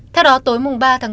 theo đó tối ba tháng bốn